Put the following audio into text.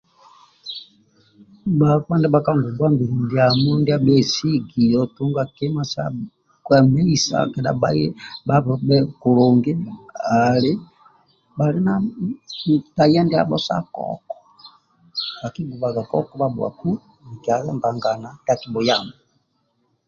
Bhakpa ndibha ka ngongwa mbili ndiamo ndia bhesigio tunga kima sa kwemeisa kedha bha bhabhobe kulungi ali bhali na ntahiya ndiabho sa koko bhakigubaga koko bhabhuwaku mikia mbagana ndia akibhuyamba